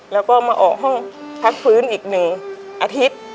แล้วก็มาออกห้องพักฟื้นอีก๑อาทิตย์